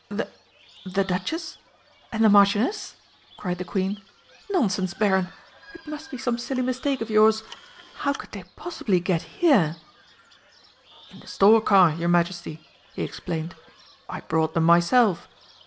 "The the Duchess? And the Marchioness?" cried the Queen. "Nonsense, Baron! It must be some silly mistake of yours. How could they possibly get here?" "In the stork car, your Majesty," he explained. "I brought them myself.